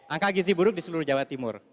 angka gizi buruk di seluruh jawa timur